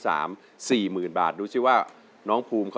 โทษใจโทษใจโทษใจโทษใจโทษใจโทษใจโทษใจโทษใจ